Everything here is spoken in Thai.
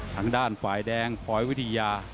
ทางด้านฝ่ายแดงปลอยวิทยา